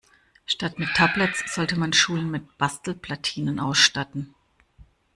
Statt mit Tablets sollte man Schulen mit Bastelplatinen ausstatten.